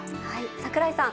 櫻井さん。